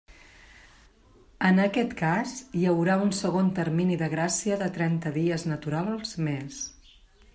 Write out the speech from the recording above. En aquest cas, hi haurà un segon termini de gràcia de trenta dies naturals més.